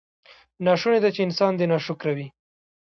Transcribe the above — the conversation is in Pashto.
ناشونې ده چې انسان دې ناشکره وي.